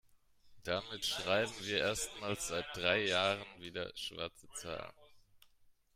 Damit schreiben wir erstmals seit drei Jahren wieder schwarze Zahlen.